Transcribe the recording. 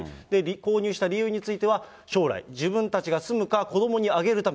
購入した理由については、将来、自分たちが住むか、子どもにあげるため。